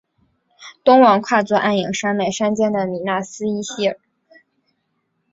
东望跨坐黯影山脉山肩的米那斯伊希尔。